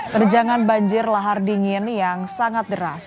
terjangan banjir lahar dingin yang sangat deras